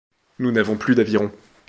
Nous n’avons plus d’avirons.